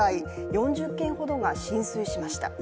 ４０軒ほどが浸水しました。